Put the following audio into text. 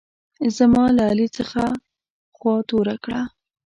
زما له علي څخه خوا توره کړه.